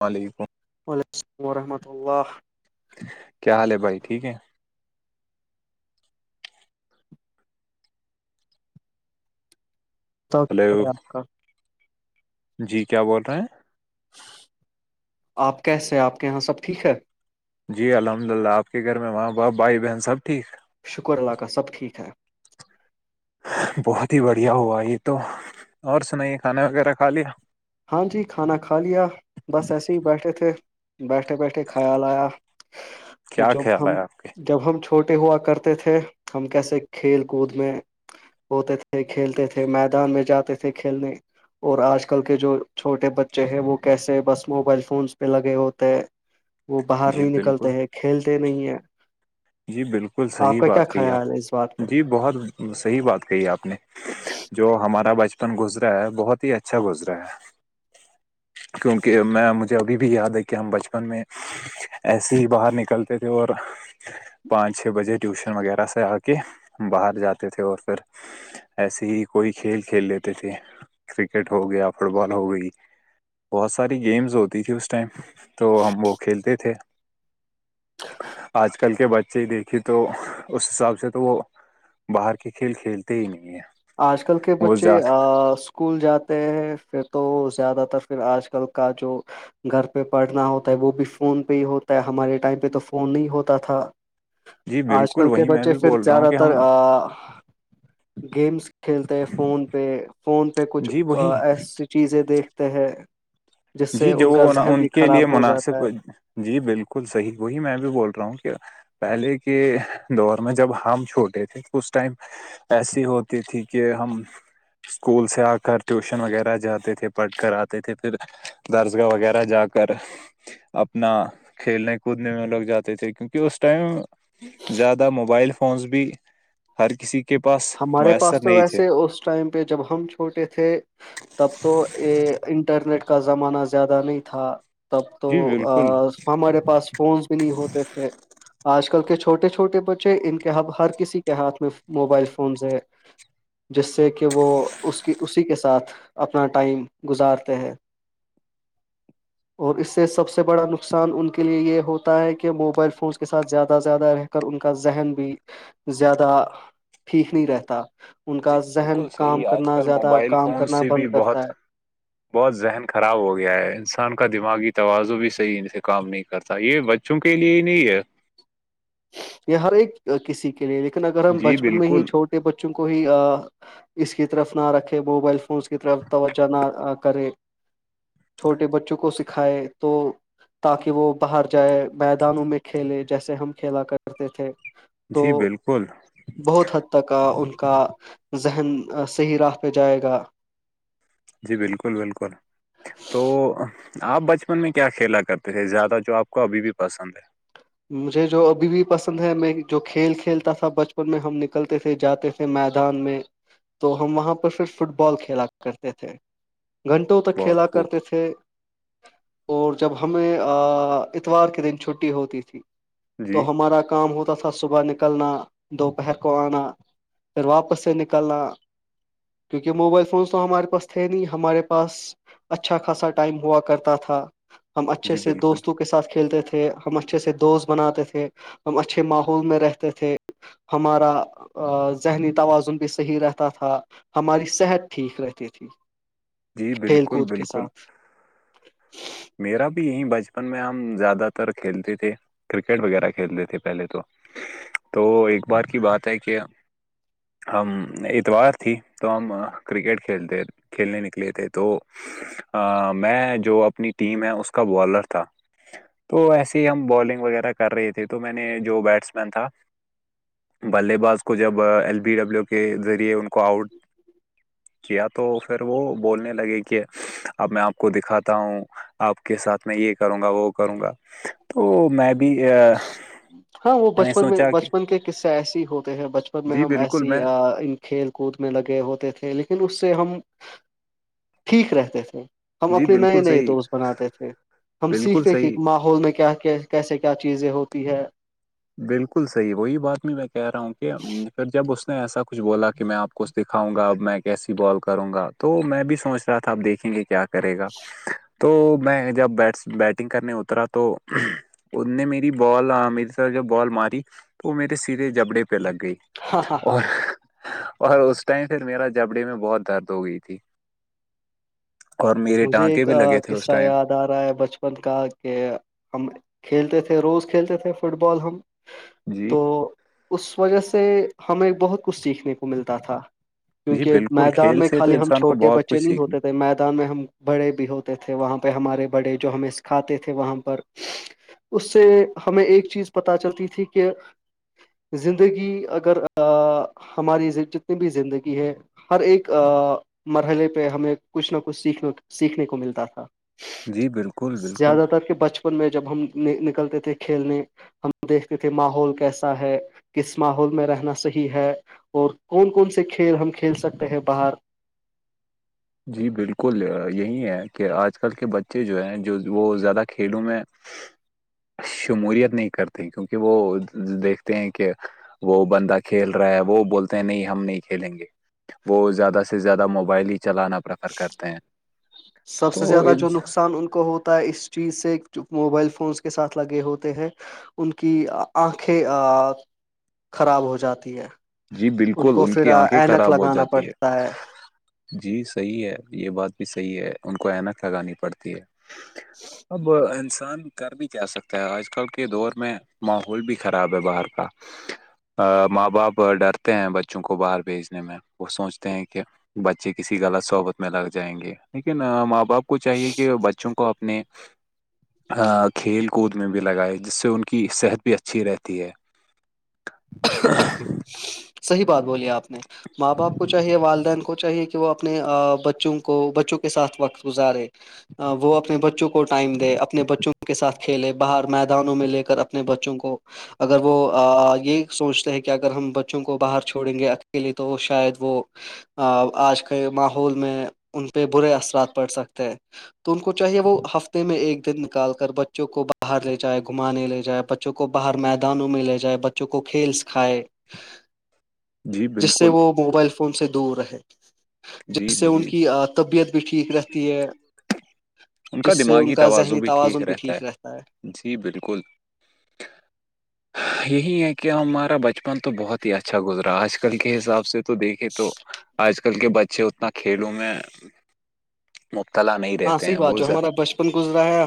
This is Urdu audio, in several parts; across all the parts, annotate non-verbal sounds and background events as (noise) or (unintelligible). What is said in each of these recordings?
وعلیکم وعلیکم السلام ورحمۃ اللہ کیا حال ہے بھائی ٹھیک ہے تو ہلو ہے آپ کا جی کیا بول رہے ہیں آپ کیسے آپ کے یہاں سب ٹھیک ہے جی الحمد للہ آپ کے گھر میں وہاں باپ بھائی بہن سب ٹھیک شکر اللہاکہ سب ٹھیک ہے بہت ہی بڑھیا ہوا یہ تو اور سنائیے کھانا وغیرہ کھا لیا ہاں جی کھانا کھا لیا بس ایسے ہی بیٹھے تھے بیٹھے بیٹھے خیال آیا کہ کیا جب خیال ہم ہے آپ کے جب ہم چھوٹے ہوا کرتے تھے ہم کیسے کھیل کود میں ہوتے تھے کھیلتے تھے میدان میں جاتے تھے کھیلنے اور آج کل کے جو چھوٹے بچے ہیں وہ کیسے بس موبائل فونس پہ لگے ہوتے ہیں وہ باہر جی نہیں بالکل نکلتے ہیں کھیلتے نہیں ہیں جی بالکل آپ صحیح کا بات کیا کہی آپ خیال ہے اس بات پہ جی بہت صحیح بات کہی آپ نے جو ہمارا بچپن گز رہا ہے بہت ہی اچھا گزرا ہے کیونکہ میں مجھے ابھی بھی یاد ہے کہ ہم بچپن میں ایسے ہی باہر نکلتے تھے اور پانچ چھ بجے ٹیوشن وغیرہ سے آ کے باہر جاتے تھے اور پھر ایسے ہی کوئی کھیل کھیل لیتے تھے کرکٹ ہو گیا فٹ بال ہو گئی بہت ساری گیمز ہوتی تھھی اس ٹائم تو ہم وہ کھیلتے تھے آج کل کے بچے ہی دیکھے تو اس حساب سے تو وہ باہر کے کھیل کھیلتے ہی نہیں ہیں آج کل کے وہ بچے زیادہ اسکول جاتے ہیں پھر تو زیادہ تر پھر آج کل کا جو گھر پہ پڑھنا ہوتا ہے وہ بھی فون پہ ہی ہوتا ہے ہمارے ٹائم پہ تو فون نہیں ہوتا تھا جی آج بالکل کل کے وہی میں بچے بھی پھر بول رہا ہوں زیادہ کہ تر ہم گیمس کھیلتے ہیں فون پہ فون پہ کچھ جی وہی ایسی چیزیں دیکھتے ہیں جس سے جی جو ان کا وہ ذہن ان بھی کے لیے خراب ہو جاتا ہے مناسب جی بالکل صحیح وہی میں بھی بول رہا ہوں کہ پہلے کے دور میں جب ہم چھوٹے تھے اس ٹائم ایسی ہوتی تھی کہ ہم اسکول سے آ کر ٹیوشن وغیرہ جاتے تھے پڑھ کر آتے تھے پھر درسگاہ وغیرہ جا کر اپنا کھیلنے کودنے میں لوگ جاتے تھے کیونکہ اس ٹائم زیادہ موبائل فونس بھی ہر کسی کے پاس ہمارے پاس میسر تو نہیں تھے ویسے اس ٹائم پہ جب ہم چھوٹے تھے تب تو یہ انٹرنیٹ کا زمانہ زیادہ نہیں تھا تب تو جی بالکل ہمارے پاس فونس بھی نہیں ہوتے تھے آج کل کے چھوٹے چھوٹے بچے ان کے ہر کسی کے ہاتھ میں موبائل فونز ہے جس سے کہ وہ اس کی اسی کے ساتھ اپنا ٹائم گزارتے ہے (inaudible) اور اس سے سب سے بڑا نقصان ان کے لیے یہ ہوتا ہے کہ موبائل فونس کے ساتھ زیادہ زیادہ رہے کر ان کا ذہن بھی زیادہ ٹھیک نہیں رہتا ان جی کا ذہن بالکل کام صحیح آج کرنا کل زیادہ موبائل کام فون کرنا سے بند بھی بہت کرتا ہے (inaudible) بہت ذہن خراب ہو گیا ہے انسان کا دماغی توازع بھی صحیح سے کام نہیں کرتا یہ ب چم کے لیے ہی نہیں ہے یہ ہر ایک کسی کے لیے لیکن اگر ہم جی بچپن میں ہی بالکل چھوٹے بچوں کو ہی اس کی طرف نہ رکھے موبائل فونس کی طرف توجہ نہ کرے چھوٹے بچوں کو سکھائے تو تاکہ وہ باہر جائے میدانوں میں کھیلے جیسے ہم کھیلا کرتے تھے تو جی بالکل بہت حد تک ان کا ذہن صحیح راہ پہ جائے گا جی بالکل بالکل تو آپ بچپن میں کیا کھیلا کرتے تھے زیادہ جو آپ کو ابھی بھی پسند ہے مجھے جو ابھی بھی پسند ہے میں جو کھیل کھیلتا تھا بچپن میں ہم نکلتے تھے جاتے تھے میدان میں تو ہم وہاں پر پھر فٹ بال کھیلا کرتے تھے گھنٹوں تک ہے بہت کھیلا خوب کرتے تھے اور جب ہمیں اتوار کے دن چھٹی ہوتی تھی جی تو ہمارا کام ہوتا س سا صبح نکلنا دوپہر کو آنا پھر واپس سے نکلنا کیونکہ موبائل فونس تو ہمارے پاس تھے نہیں ہمارے پاس اچھا خاصا ٹائم ہوا کرتا تھا ہم اچھے جی سے بالکل دوستوں کے ساتھ کھیلتے تھے ہم اچھے سے دوست بناتے تھے ہم اچھے ماحول میں رہتے تھے ہمارا ذہنی توازن بھی صحیح رہتا تھا ہماری صحت ٹھیک رہتی تھی جی کھیل بالکل کود کے بالکل ساتھ میرا بھی یہیں بچپن میں ہم زیادہ تر کھیلتے تھے کرکٹ وغیرہ کھیلتے تھے پہلے تو تو ایک بار کی بات ہے کہ ہم اتوار تھی تو ہم کرکٹ کھیلتے کھیلنے نکلے تھے تو میں جو اپنی ٹیم ہے اس کا بالر تھا تو ایسے ہی ہم بالنگ وغیرہ کر رہے تھے تو میں نے جو بیٹس مین تھا بلے باز کو جب ایل بی ڈبلو کے ذریعے ان کو آؤٹ کیا تو پھر وہ بولنے لگے کہ اب میں آپ کو دکھاتا ہوں آپ کے ساتھ میں یہ کروں گا وہ کروں گا تو میں بھی بھی ہمیں سوچا کہ سے ایسی ہوتے ہیں بچپن میں جی ہم بالکل ایسی میں کھیل کود میں لگے ہوتے تھے لیکن اس سے ہم ٹھیک رہتے تھے ہم جی اپنے نئے بالکل نئے صحیح دوست بناتے تھے ہم بالکل سیکھتے تھے صحیح ماحول میں کیا کیسے کیا چیزیں ہوتی ہے بالکل صحیح وہی بات میں میں کہہ رہا ہوں کہ پھر جب اس نے ایسا کچھ بولا کہ میں آپ کو دکھاؤںا اب میں کیسی بال کروں گا تو میں بھی سوچ رہا تھا اب دیکھیں گے کیا کرے گا تو میں جب بیٹس بیٹنگ کرنے اترا تو ان نے میری بال عامر جب بال ماری تو وہ میرے سرے جبڑے پہ لگ گئی ہاں ہاں ہاں اور اور اس ٹائم پھر میرا جبڑے میں بہت درد ہو گئی تھی اور میرے مجھے ٹانکے ایک بھی لگے تھے اس قصہ ٹائم یاد رہا ہے بچپن کا کہ ہم کھیلتے تھے روز کھیلتے تھے فٹ بال ہم جی تو اس وجہ سے ہمیں بہت کچھ سیکھنے کو ملتا تھا جی کیونکہ بالکل میدان کھیل میں سے تو خالی ہم انسان کو چھوٹے بہت بچے کچھ نہیں سیکھنے ہوتے تھے میدان میں ہم بڑے بھی ہوتے تھے وہاں پہ ہمارے بڑے جو ہمیں سکھاتے تھے وہاں پر اس سے ہمیں ایک چیز پتا چلتی تھی کہ زندگی اگر ہماری جتنی بھی زندگی ہے ہر ایک مرحلے پہ ہمیں کچھ نہ کچھ سیکھنا سیکھنے کو ملتا تھا جی بالکل بالکل زیادہ تر کہ بچپن میں جب ہم نکلتے تھے کھیلنے ہم دیکھتے تھے ماحول کیسا ہے کس ماحول میں رہنا صحیح ہے اور کون کون سے کھیل ہم کھیل سکتے ہیں باہر جی بالکل یہی ہے کہ آج کل کے بچے جو ہیں جو وہ زیادہ کھیلوں میں (inaudible) شموورت نہیں کرتے کیونکہ وہ دیکھتے ہیں کہ وہ بندہ کھیل رہا ہے وہ بولتے ہیں نہیں ہم نہیں کھیلیں گے وہ زیادہ سے زیادہ موبائل ہی چلانا پریفر کرتے ہیں سب سے تو زیادہ ان- جو نقصان ان کو ہوتا ہے اس چیز سے موبائل فونس کے ساتھ لگے ہوتے ہیں ان کی آنکھیں خراب ہو جاتی ہے جی بالکل کو ان پھر کی آ، آنکھیں اینک خراب ہو لگانا جاتی پڑتا ہے جی صحیح ہے یہ بات بھی صحیح ہے ان کو اینک لگانی پڑتی ہے اب انسان کر بھی کیاا سکتا ہے آج کل کے دور میں ماحول بھی خراب ہے باہر کا ا ماں باپ ڈرتے ہیں بچوں کو باہر بھیجنے میں وہ سوچتے ہیں کہ بچے کسی غلط صحبت میں لگ جائیں گے لیکن ماں باپ کو چاہیے کہ بچوں کو اپنے کھیل کود میں بھی لگائے جس سے ان کی صحت بھی اچھی رہتی ہے صحیح بات بولی آپ نے ماں باپ کو چاہیے والدین کو چاہیے کہ کہ وہ اپنے بچوں کو بچوں کے ساتھ وقت گزارے وہ اپنے بچوں کو ٹائم دے اپنے بچوں کے ساتھ کھیلے باہر میدانوں میں لے کر اپنے بچوں کو اگر وہ یہ سوچتے ہیں کہ اگر ہم بچوں کو باہر چھوڑیں گے اکیلے تو شاید وہ آج کے ماحول میں ان پہ برے اثرات پڑ سکتے ہیں تو ان کو چاہیے وہ ہفتے میں ایک دن نکال کر بچوں کو باہر لے جائے گھمانے لے جائے بچ بچوں کو باہر میدانوں میں لے جائے بچوں کو کو کھیل سکھائے جی جس سے بالکل وہ موبائل فون سے دور رہ جی جس سے ان جی کی طبیعت بھی ٹھیک رہتی ہے جس سے ان کا ذہنی توازن بھی ٹھیک رہتا ہے جی بالکل (inaudible) یہی ہے کہ ہمارا بچپن تو بہت ہی اچھا گزرا آج کل کے حساب سے تو دیکھے تو آج کل کے بچے اتنا کھیلوں میں مبتلا نہیں ہاں رہتے صحیح ہیں بات وہ جو زیا- ہمارا بچپن گزرا ہے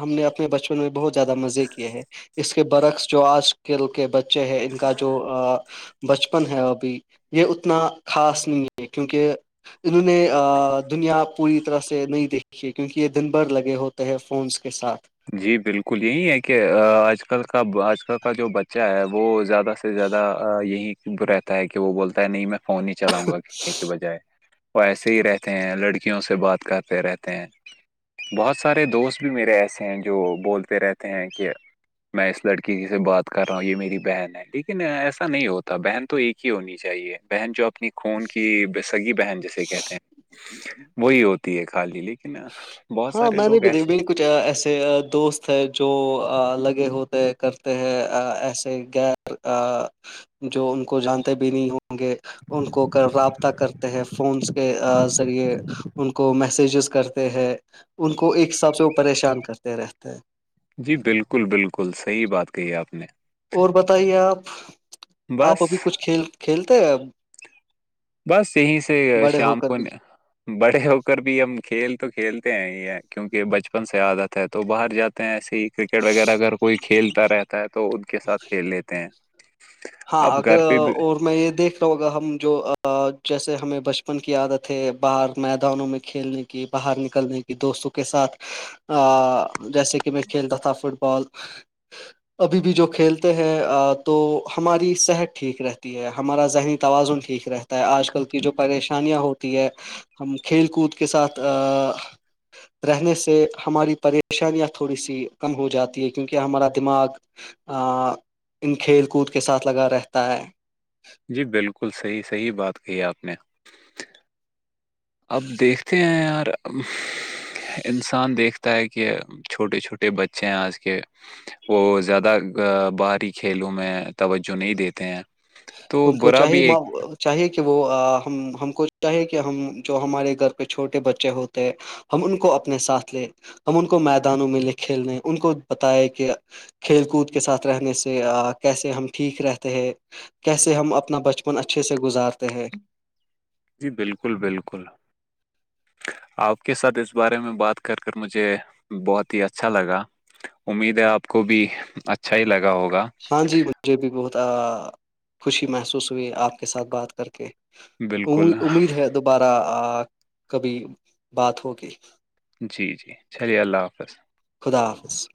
ہم نے اپنے بچپن میں بہت زیادہ مزے کیے ہیں اس کے برعکس جو آج کل کے بچے ہیں ان کا جو بچپن ہے ابھی یہ اتنا خاص نہیں ہے کیونکہ انہوں نے دنیا پوری طرح سے نہیں دیکھیے کیونکہ یہ دن بھر لگے ہوتے ہے فونس کے ساتھ جی بالکل یہی ہے کہ آج کل کا آج کل کا جو بچہ ہے وہ زیادہ سے زیادہ یہی رہتا ہے کہ وہ بولتا ہے نہیں میں فون ہی چلاؤں گا کے بجائے وہ ایسے ہی رہتے ہیں لڑکیوں سے بات کرتے رہتے ہیں بہت سارے دوست بھی میرے ایسے ہیں جو بولتے رہتے ہیں کہ میں اس لڑکی کی سے بات کر رہا ہوں یہ میری بہن ہے لیکن ایسا نہیں ہوتا بہن تو ایک کی ہونی چاہیے بہن جو اپنی خون کی سگی بہن جیسے کہتے ہیں وہی ہوتی ہے خال جی لی ہاں میں نہیں بتائی بالکل کچھ ایسے دوست ہے جو لگے ہوتے کرتے ہیں ایسے گیپ جو ان کو جانتے بھی نہیں ہوں گے ان کو رابطہ کرتے ہیں فونس کے ذریعے ان کو میسیجز کرتے ہیں ان کو ایک حساب سے وہ پریشان کرتے رہتے ہیں جی بالکل بالکل صحیح بات کہی ہے آپ نے اور بتائیے آپ آپ بس ابھی کچھ کھیل کھیلتے ہیں ا بس یہیں سے ہو شام کر کو بھی بڑے ہو کر بھی ہم کھیل تو کھیلتے ہیں ہی ہے کیونکہ بچپن سے عادت ہے تو باہر جاتے ہیںے کرکٹ وغیرہ اگر کوئی کھیلتا رہتا ہے تو ان کے ساتھ کھیل لیتے ہیں ہاں اب اگر گھر پہ بھی اور میں یہ دیکھ رہا ہوں اگر ہم جو جیسے ہمیں بچپن کی عادت ہے باہر میدانوں میں کھیلنے کی باہر نکلنے کی دوستوں کے ساتھ جیسے کہ میں کھیلتا تھا فٹ بال ابھی بھی جو کھیلتے ہیں تو ہماری صحت ٹھیک رہتی ہے ہمارا ذہنی توازن ٹھیک رہتا ہے آج کل کی جو پریشانیاں ہوتی ہے ہم کھیل کود کے ساتھ ا رہنے سے ہماری پریشانیاں تھوڑی سی کم ہو جاتی ہے کیونکہ ہمارا دماغ ان کھیل کود کے ساتھ لگا رہتا ہے جی بالکل صحیح صحیح بات کہ ہے آپ نے اب دیکھتے ہیں یار انسان دیکھتا ہے کہ چھوٹے چھوٹے بچے ہیں آج کے وہ زیادہ باہری کھیلوں میں توجہ نہیں دیتے ہیں تو ان کو برا بھی چاہیے ایک ما- چاہیے کہ وہ ہم ہم کو چاہیے کہ ہم جو ہمارے گھر پہ چھوٹے بچے ہوتے ہم ان کو اپنے ساتھ لے ہم ان کو میدانوں میں لے کھیلنے ان کو بتائے کہ کھیل کود کے ساتھ رہنے سے کیسے ہم ٹھیک رہتے ہیں (unintelligible) کیسے ہم اپنا بچپن اچھے سے گزارتے ہیں جی بالکل بالکل آپ کے ساتھ اس بارے میں بات کر کر مجھے بہت ہی اچھا لگا امید ہے آپ کو بھی اچھا ہی لگا ہوگا ہاں جی مجھے بھی بہت خوشی محسوس ہوئی آپ کے ساتھ بات کر کے بالکل امید ہے دوبارہ کبھی بات ہوگی (unintelligible) جی جی چلیے اللہ حافظ خدا حافظ